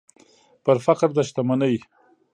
پر فقر د شتمنۍ